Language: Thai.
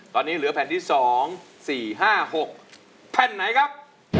ตอนนี้เหลือแผ่นที่๒๔๕๖แผ่นไหนครับ